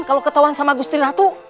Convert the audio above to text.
kalau ketauan sama gustri ratu